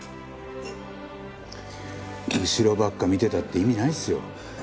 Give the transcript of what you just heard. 後ろばっか見てたって意味ないですよ。